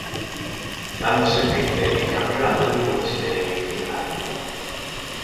L'anno seguente, il Campionato del Mondo si teneva in Finlandia.